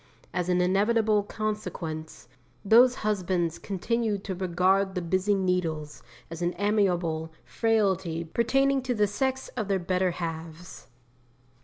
As an inevitable consequence, those husbands continue to regard the busy needles as an amiable frailty pertaining to the sex of their better halves.